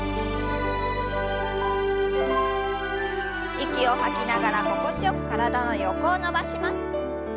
息を吐きながら心地よく体の横を伸ばします。